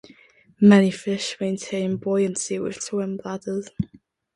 Many fish maintain buoyancy with swim bladders.